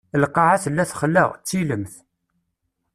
Lqaɛa tella texla, d tilemt.